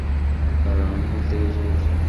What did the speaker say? কারন আমি ভুল থেকে শিখেছি।